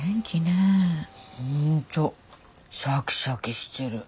本当シャキシャキしてる。